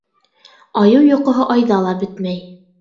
Айыу йоҡоһо айҙа ла бөтмәй.